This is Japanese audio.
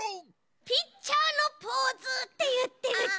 「ピッチャーのポーズ」っていってるち！